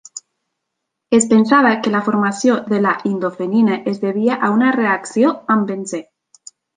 Es pensava que la formació de la indofenina es devia a una reacció amb benzè.